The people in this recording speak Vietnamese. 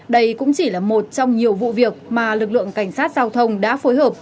đây cũng chỉ là một trong nhiều vụ việc mà lực lượng cảnh sát giao thông đã phối hợp